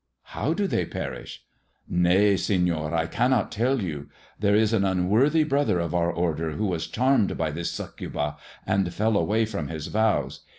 " How do they perish 1 "" Nay, Seiior, I cannot tell you. There was an brother of our order who was charmed by this auccnba, m fell away from his vows.